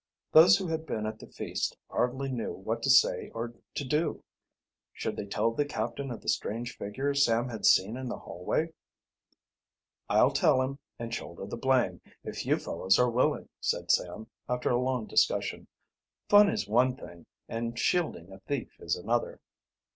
Those who had been at the feast hardly knew what to say or to do. Should they tell the captain of the strange figure Sam had seen in the hallway? "I'll tell him, and shoulder the blame, if you fellows are willing," said Sam, after a long discussion. "Fun is one thing, and shielding a thief is another."